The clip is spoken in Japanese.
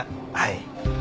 はい。